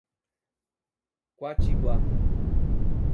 Quatiguá